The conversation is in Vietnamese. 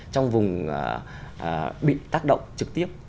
trong vùng bị tác động trực tiếp